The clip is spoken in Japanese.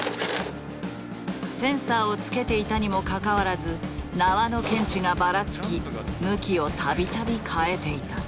センサーをつけていたにもかかわらず縄の検知がばらつき向きをたびたび変えていた。